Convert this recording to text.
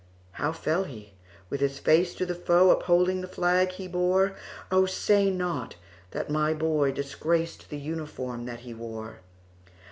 "How fell he,—with his face to the foe, Upholding the flag he bore? Oh, say not that my boy disgracedThe uniform that he wore!"